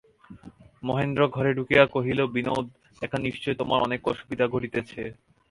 মহেন্দ্র ঘরে ঢুকিয়া কহিল, বিনোদ, এখানে নিশ্চয় তোমার অনেক অসুবিধা ঘটিতেছে।